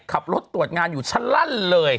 ขับรถตรวจงานอยู่ชะลั่นเลย